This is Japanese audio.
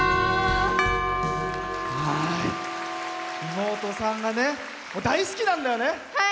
妹さんが大好きなんだよね。